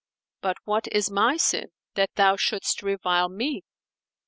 But what is my sin, that thou shouldest revile me?"